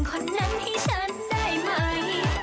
แค่ชั้นได้ไหม